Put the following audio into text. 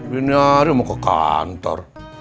ini hari mau ke kantor